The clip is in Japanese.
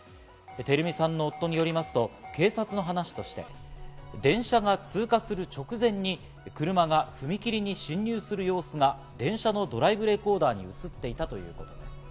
照美さんの夫によりますと警察の話として、電車が通過する直前に車が踏切に進入する様子が電車のドライブレコーダーに映っていたということです。